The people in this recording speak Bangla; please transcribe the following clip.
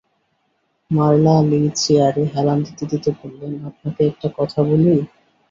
মারলা লি চেয়ারে হেলান দিতে দিতে বললেন, আপনাকে আরেকটা কথা বলি।